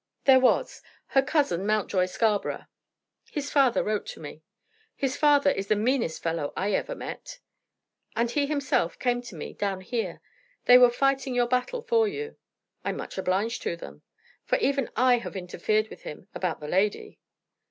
"There was; her cousin, Mountjoy Scarborough." "His father wrote to me." "His father is the meanest fellow I ever met." "And he himself came to me, down here. They were fighting your battle for you." "I'm much obliged to them." "For even I have interfered with him about the lady."